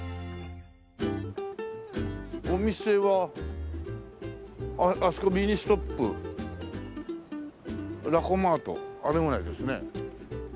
お店はあっあそこミニストップラコマートあれぐらいですね。